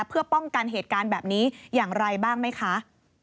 เพื่อป้องกันเหตุการณ์แบบนี้อย่างไรบ้างไหมคะ